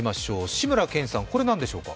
志村けんさん、これ何でしょうか。